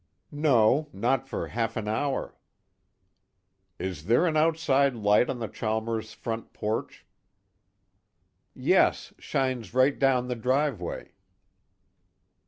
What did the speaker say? "No, not for half an hour." "Is there an outside light on the Chalmers' front porch?" "Yes, shines right down the driveway."